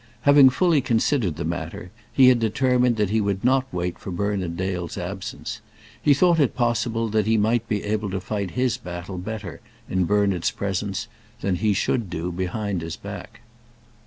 Having fully considered the matter, he had determined that he would not wait for Bernard Dale's absence. He thought it possible that he might be able to fight his battle better in Bernard's presence than he could do behind his back.